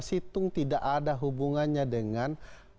situng tidak ada hubungannya dengan